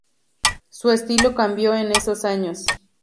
Su estilo cambió en esos años.